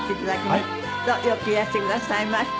よくいらしてくださいました。